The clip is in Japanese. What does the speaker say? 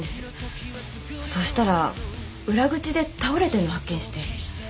そしたら裏口で倒れてるの発見して。